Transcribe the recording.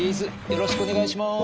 よろしくお願いします。